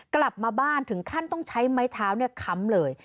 กลับมาบ้านถึงขั้นต้องใช้ไม้เท้าค้ำเลย